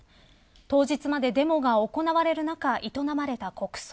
当日までデモが行われる中営まれた国葬。